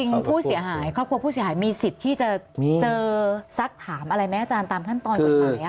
ผู้เสียหายครอบครัวผู้เสียหายมีสิทธิ์ที่จะเจอสักถามอะไรไหมอาจารย์ตามขั้นตอนกฎหมาย